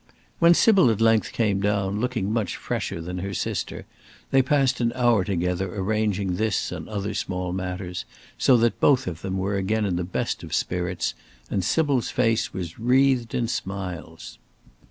When Sybil at length came down, looking much fresher than her sister, they passed an hour together arranging this and other small matters, so that both of them were again in the best of spirits, and Sybil's face was wreathed in smiles.